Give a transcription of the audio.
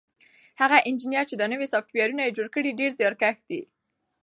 هغه انجنیر چې دا نوی سافټویر یې جوړ کړی ډېر زیارکښ دی.